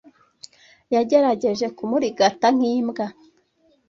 yagerageje kumurigata nk’imbwa